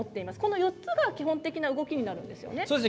４つが基本的な動きになるわけですね。